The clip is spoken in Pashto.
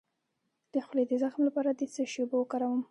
د خولې د زخم لپاره د څه شي اوبه وکاروم؟